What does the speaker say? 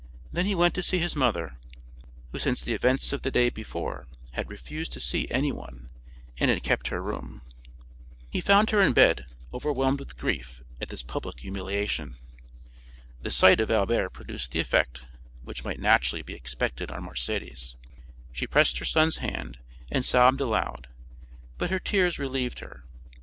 Then he went to see his mother, who since the events of the day before had refused to see anyone, and had kept her room. He found her in bed, overwhelmed with grief at this public humiliation. The sight of Albert produced the effect which might naturally be expected on Mercédès; she pressed her son's hand and sobbed aloud, but her tears relieved her.